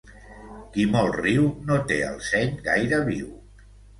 Qui molt riu no té el seny gaire viu.